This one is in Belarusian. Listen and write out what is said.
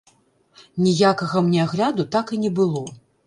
Ніякага мне агляду так і не было.